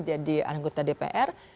jadi anggota dpr